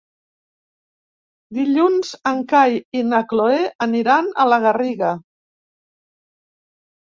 Dilluns en Cai i na Cloè aniran a la Garriga.